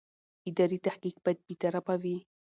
اداري تحقیق باید بېطرفه وي.